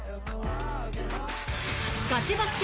ガチバスケ